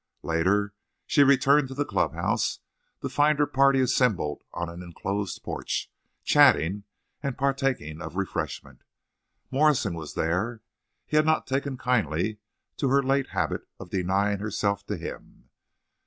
Later she returned to the clubhouse to find her party assembled on an inclosed porch, chatting and partaking of refreshment. Morrison was there. He had not taken kindly to her late habit of denying herself to him.